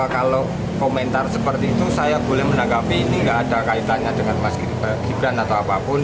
kalau komentar seperti itu saya boleh menanggapi ini nggak ada kaitannya dengan mas gibran